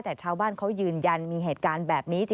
แต่ชาวบ้านเขายืนยันมีเหตุการณ์แบบนี้